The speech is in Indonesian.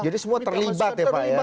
jadi semua terlibat ya pak ya